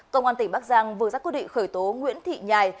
cơ quan tỉnh bắc giang vừa ra quyết định khởi tố nguyễn thị nhài